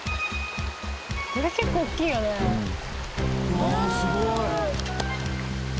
うわすごい！